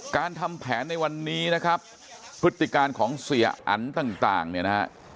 การทำแผนในวันนี้นะครับพฤติการของเสียอันต่างเนี่ยนะฮะ